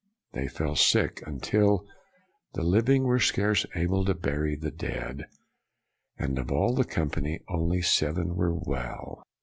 They fell sick, until " the living were scarce able to bury the dead," and of all the company only seven were well.